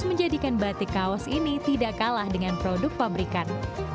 menjadikan batik kaos ini tidak kalah dengan produk pabrikan